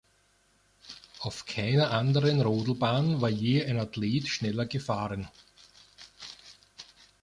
Auf keiner anderen Rodelbahn war je ein Athlet schneller gefahren.